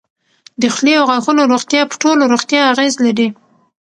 د خولې او غاښونو روغتیا په ټوله روغتیا اغېز لري.